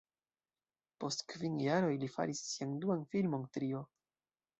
Post kvin jaroj li faris sian duan filmon, "Trio".